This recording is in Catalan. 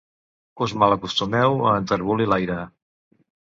Us malacostumeu a enterbolir l'aire.